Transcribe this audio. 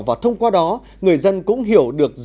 và thông qua đó người dân cũng hiểu được